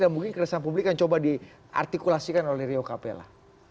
mungkin keresahan publik yang coba diartikulasikan oleh rio capella